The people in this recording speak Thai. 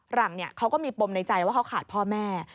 หลังเขาก็มีปมในใจว่าเขาขาดพ่อแม่